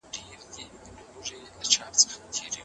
شتمن هغه څوک دی چي په لږو قناعت وکړي.